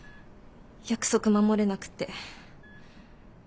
約束守れなくて。